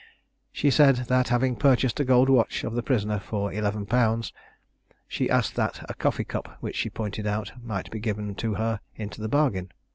She said that having purchased a gold watch of the prisoner for 11_l._, she asked that a coffee cup, which she pointed out, might be given to her into the bargain.